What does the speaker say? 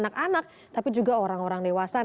tidak hanya anak anak tapi juga orang orang lewasan